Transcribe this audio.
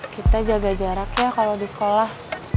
kita jaga jaraknya kalo di sekolah